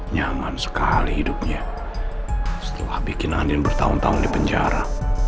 nyaman sekali hidupnya setelah bikin ada yang bertahun tahun di penjara